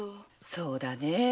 そうだねえ。